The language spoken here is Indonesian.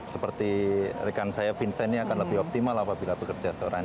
seperti rekan saya vincent ini akan lebih optimal apabila bekerja seorang